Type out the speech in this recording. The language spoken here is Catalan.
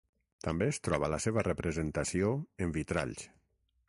També es troba la seva representació en vitralls.